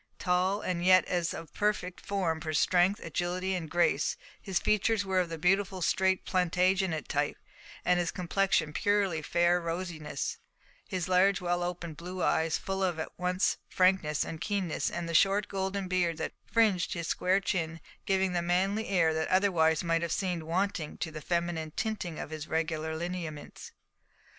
Tall, and as yet of perfect form for strength, agility, and grace; his features were of the beautiful straight Plantagenet type, and his complexion of purely fair rosiness, his large well opened blue eyes full at once of frankness and keenness, and the short golden beard that fringed his square chin giving the manly air that otherwise might have seemed wanting to the feminine tinting of his regular lineaments.